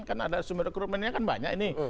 karena ada sumber rekrutmennya kan banyak ini